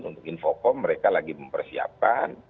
untuk infocom mereka lagi mempersiapkan